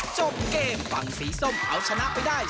จบเกมฝั่งสีส้มเอาชนะไปได้